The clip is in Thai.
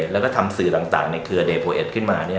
แล้วก็ทำสื่อต่างในเครือเดยโพเอ็ดขึ้นมา